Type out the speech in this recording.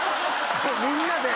みんなで。